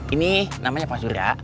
ini namanya pak suria